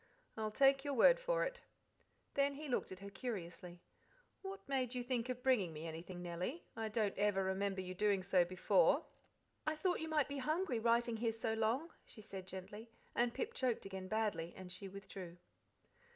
"I'll take your word for it." Then he looked at her curiously. "What made you think of bringing me anything, Nellie? I don't ever remember you doing so before." "I thought you might be hungry writing here so long," she said gently; and Pip choked again badly, and she withdrew.